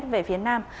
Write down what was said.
về phía nam